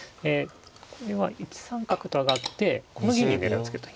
これは１三角と上がってこの銀に狙いをつけると。